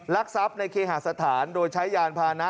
ลักษัพในเคหาสถานโดยใช้ยานพานะ